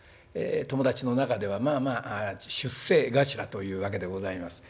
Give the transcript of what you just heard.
友達の中ではまあまあ出世頭というわけでございます。